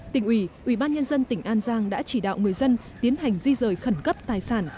tỉnh ủy ủy ban nhân dân tỉnh an giang đã chỉ đạo người dân tiến hành di rời khẩn cấp tài sản